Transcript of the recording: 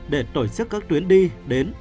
để tổ chức các tuyến đi đến